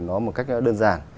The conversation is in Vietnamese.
nó một cách nó đơn giản